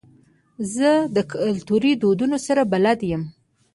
زه له کلتوري دودونو سره بلد یم.